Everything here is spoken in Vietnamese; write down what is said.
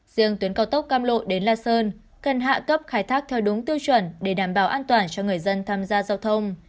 riêng tuyến cao tốc cam lộ đến la sơn cần hạ cấp khai thác theo đúng tiêu chuẩn để đảm bảo an toàn cho người dân tham gia giao thông